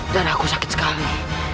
dan aku sakit sekali